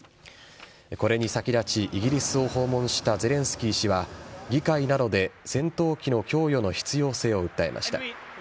これに先立ちイギリスを訪問したゼレンスキー氏は議会などで戦闘機の供与の必要性を訴えました。